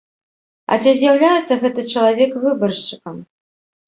А ці з'яўляецца гэты чалавек выбаршчыкам?